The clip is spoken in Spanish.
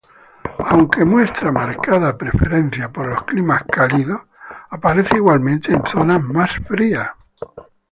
Aunque muestra marcada preferencia por los climas cálidos, aparece igualmente en zonas más frías.